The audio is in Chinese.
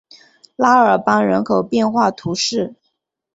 拉尔邦人口变化图示